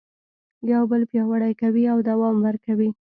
یو بل پیاوړي کوي او دوام ورکوي.